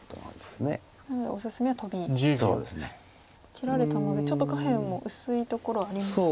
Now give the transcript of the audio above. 切られたのでちょっと下辺も薄いところはありますか？